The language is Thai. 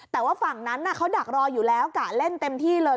แต่ว่าฝั่งนั้นเขาดักรออยู่แล้วกะเล่นเต็มที่เลย